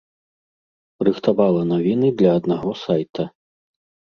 Рыхтавала навіны для аднаго сайта.